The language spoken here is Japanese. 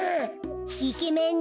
イケメンの。